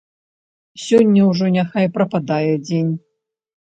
Сёння ўжо няхай прападае дзень.